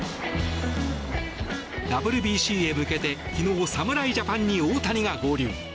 ＷＢＣへ向けて昨日、侍ジャパンに大谷が合流。